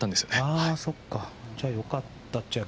じゃあよかった。